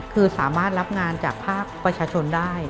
คือสามารถรับงานจากภาคประชาชนได้